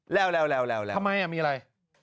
แล้วแล้วแล้วแล้วทำไมอ่ะมีอะไร